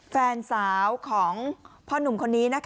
แฟนสาวของพ่อหนุ่มคนนี้